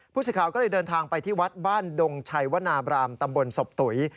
สิทธิ์ก็เลยเดินทางไปที่วัดบ้านดงชัยวนาบรามตำบลศพตุ๋ย